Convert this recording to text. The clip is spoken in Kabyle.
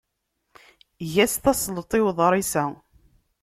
Eg-as tasleḍt i uḍris-a.